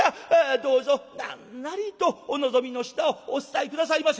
どうぞなんなりとお望みの品をお伝え下さいませ」。